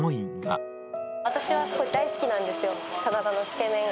私はすごい大好きなんですよ、さなだのつけ麺が。